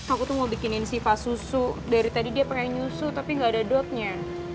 aku tuh mau bikinin siva susu dari tadi dia pakai nyusu tapi gak ada dotnya